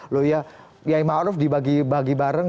kiai maruf dibagi bagi bareng